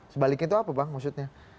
sebaliknya itu apa bang maksudnya